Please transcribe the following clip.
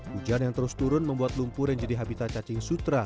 hujan yang terus turun membuat lumpur yang jadi habitat cacing sutra